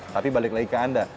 tapi balik lagi ke anda